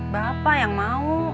bapak yang mau